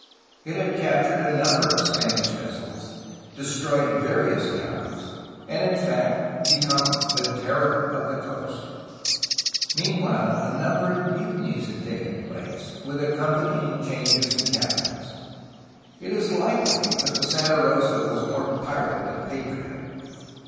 It had captured a num ber of Spanish vessels, destroyed various towns, and in fact become ^'the terror of the coast. '^ Meanwhile, a number of mutinies had taken place, with accompanying changes in captains. It is likely that the Santa Rosa was more pirate than patriot.